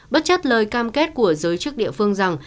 bất chấp lời cam kết của giới chức địa phương rằng